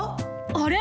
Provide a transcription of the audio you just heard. あれ？